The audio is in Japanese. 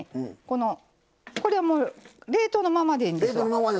このこれも冷凍のままでいいんですわ。